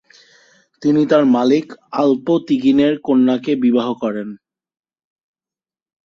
তিনি তার মালিক আল্প তিগিনের কন্যাকে বিবাহ করেন।